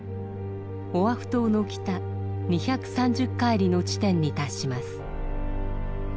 オアフ島の北２３０海里の地点に達します。